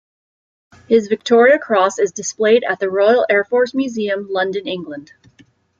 His Victoria Cross is displayed at the Royal Air Force Museum London, England.